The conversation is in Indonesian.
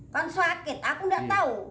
kan sakit aku tidak tahu